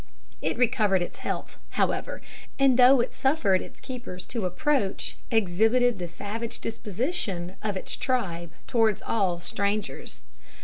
It recovered its health, however, and though it suffered its keepers to approach, exhibited the savage disposition of its tribe towards all strangers.